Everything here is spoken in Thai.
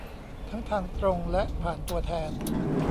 ทั้งทางตรงและผ่านตัวแทน